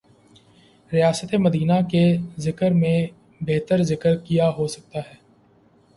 ریاست مدینہ کے ذکر سے بہترذکر کیا ہوسکتاہے۔